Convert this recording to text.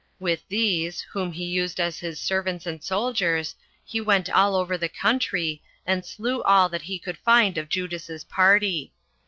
With these, whom he used as his servants and soldiers, he went all over the country, and slew all that he could find of Judas's party.